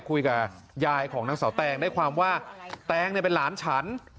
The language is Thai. คุยกับยายของนางสาวแตงได้ความว่าแตงเนี่ยเป็นหลานฉัน